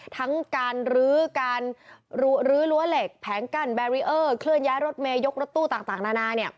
ทั้งการลื้อการลื้อรั้วเหล็กแผงกั้นแบรีเออร์เคลื่อนย้ายรถเมยกรถตู้ต่างนานา